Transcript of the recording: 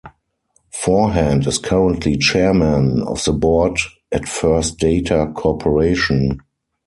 Forehand is currently Chairman of the Board at First Data Corporation.